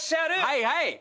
はいはい！